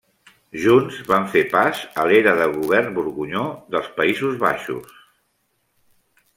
Junts van fer pas a l'era de govern borgonyó dels Països Baixos.